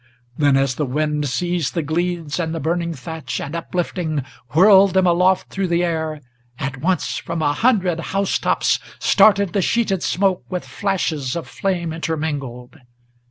Then as the wind seized the gleeds and the burning thatch, and, uplifting, Whirled them aloft through the air, at once from a hundred house tops Started the sheeted smoke with flashes of flame intermingled.